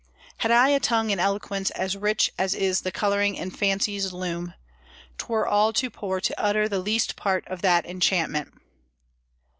"Had I a tongue in eloquence as rich as is the coloring in fancy's loom, 'Twere all too poor to utter the least part of that enchantment."